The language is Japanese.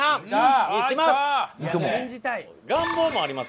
願望もあります。